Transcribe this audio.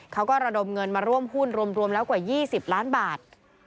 ระดมเงินมาร่วมหุ้นรวมแล้วกว่า๒๐ล้านบาท